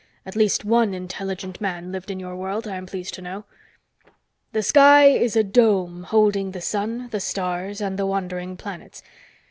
At least one intelligent man lived in your world, I'm pleased to know. The sky is a dome holding the sun, the stars and the wandering planets.